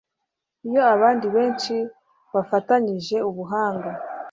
iyo abandi benshi bafatanije ubuhanga